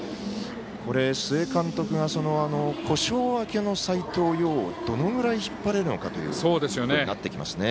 須江監督が故障明けの斎藤蓉をどのぐらい引っ張れるのかということになってきますね。